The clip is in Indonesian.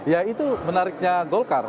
ya itu menariknya golkar